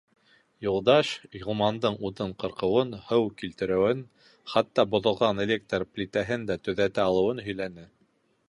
Юлдаш Ғилмандың утын ҡырҡыуын, һыу килтереүен, хатта боҙолған электр плитәһен дә төҙәтә алыуын һөйләне.